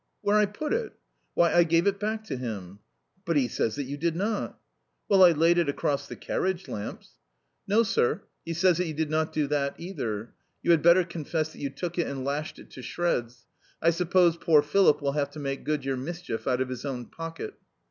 "Where I put it? Why, I gave it back to him." "But he says that you did not." "Well, I laid it across the carriage lamps!" "No, sir, he says that you did not do that either. You had better confess that you took it and lashed it to shreds. I suppose poor Philip will have to make good your mischief out of his own pocket."